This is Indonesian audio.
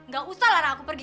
gak usah lah aku pergi